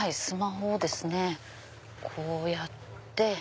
スマホをですねこうやって。